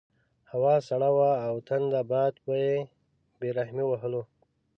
هوا سړه وه او تند باد په بې رحمۍ وهلو.